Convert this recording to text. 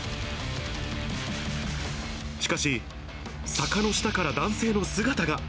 しかし、坂の下から男性の姿が。